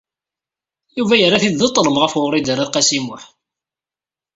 Yuba yerra-t-id d ṭṭlem ɣef Wrida n At Qasi Muḥ.